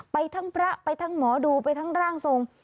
ไปทั้งพระไปทั้งหมอดูไปทั้งร่างทรง